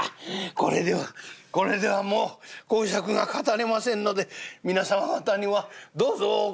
これではこれではもう講釈が語れませんので皆様方にはどうぞお帰りを」。